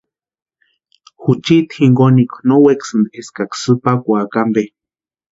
Juchiti jinkonikwa no wekasïnti eskaksï sïpakwaaka ampe.